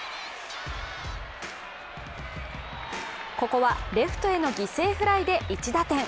ここはレフトへの犠牲フライで１打点。